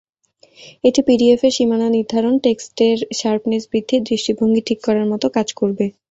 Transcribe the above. এটি পিডিএফের সীমানা নির্ধারণ, টেক্সটের শার্পনেস বৃদ্ধি, দৃষ্টিভঙ্গি ঠিক করার মতো কাজ করবে।